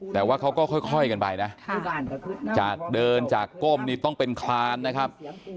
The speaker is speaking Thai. แต่ว่าเขาก็ค่อยกันไปนะจากเดินจากก้มนี่ต้องเป็นคลานนะครับ